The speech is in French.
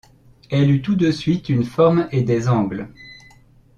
Elle eut tout de suite une forme et des angles.